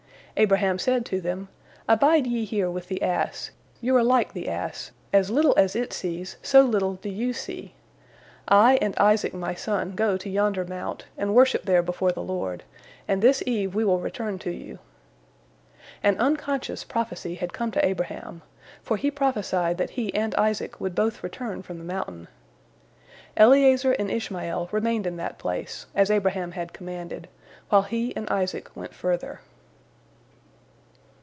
Abraham said to them, "Abide ye here with the ass, you are like the ass—as little as it sees, so little do you see. I and Isaac my son go to yonder mount, and worship there before the Lord, and this eve we will return to you." An unconscious prophecy had come to Abraham, for he prophesied that he and Isaac would both return from the mountain. Eliezer and Ishmael remained in that place, as Abraham had commanded, while he and Isaac went further.